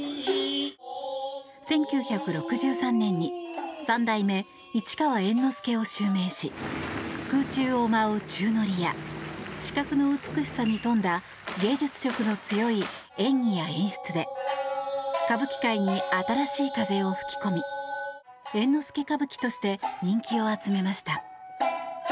１９６３年に三代目・市川猿之助を襲名し空中を舞う宙乗りや視覚の美しさに富んだ芸術色の強い演技や演出で歌舞伎界に新しい風を吹き込み猿之助歌舞伎として人気を集めました。